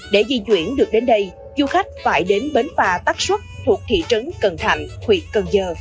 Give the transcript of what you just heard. để di chuyển được đến đây du khách phải đến bến phà tắc xuất thuộc thị trấn cần thạnh huyện cần giờ